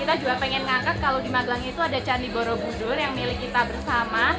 kita juga pengen ngangkat kalau di magelang itu ada candi borobudur yang milik kita bersama